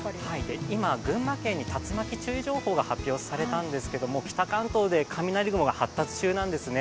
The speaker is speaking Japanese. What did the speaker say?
今群馬県に竜巻注意報が発令されたんですけど北関東で雷雲が発達中なんですね。